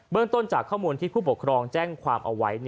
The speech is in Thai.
ต้นจากข้อมูลที่ผู้ปกครองแจ้งความเอาไว้